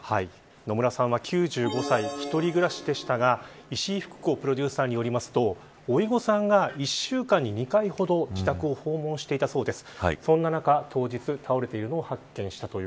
野村さんは９５歳一人暮らしでしたが石井ふく子プロデューサーによるとおいごさんが１週間に２回ほど自宅を訪問していたそうです。